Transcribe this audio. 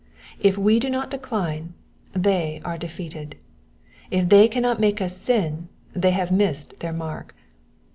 If we do not decline they are defeated. If they cannot make us sin they have missed their mark.